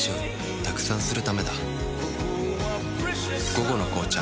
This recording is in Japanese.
「午後の紅茶」